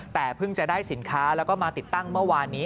แต่เพิ่งจะได้สินค้าแล้วก็มาติดตั้งเมื่อวานนี้